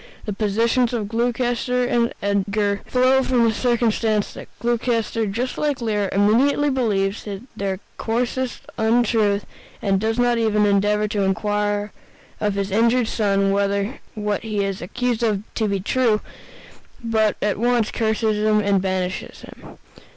The positions of Gloucester and Edgar flow from the circumstance that Gloucester, just like Lear, immediately believes the coarsest untruth and does not even endeavor to inquire of his injured son whether what he is accused of be true, but at once curses and banishes him.